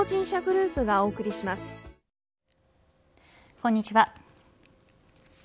こんにちは。